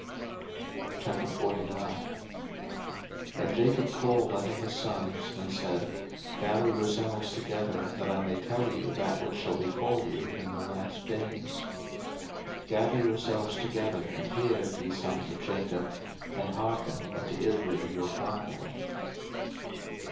01:049:001 And Jacob called unto his sons, and said, Gather yourselves together, that I may tell you that which shall befall you in the last days. 01:049:002 Gather yourselves together, and hear, ye sons of Jacob; and hearken unto Israel your father.